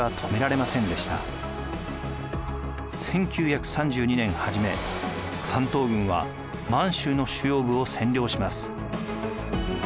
１９３２年初め関東軍は満州の主要部を占領します。